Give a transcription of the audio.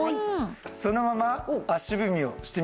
そのまま足踏みをしてみましょう。